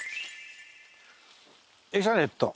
エシャレット。